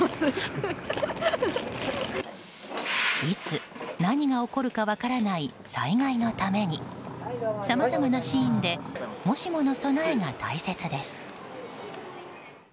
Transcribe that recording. いつ何が起こるか分からない災害のためにさまざまなシーンでもしもの備えが大切です。